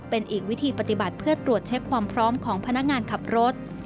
เป็นอีกวิธีปฏิบัติเพื่อตรวจเช็คความพร้อมของพนักงานขับรถ